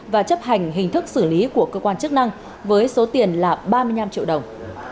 và chấp hành hình thức xử lý của cơ quan chức năng với số tiền là ba mươi năm triệu đồng